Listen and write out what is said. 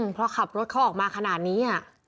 เพราะขับรถเขาออกมาขนาดนี้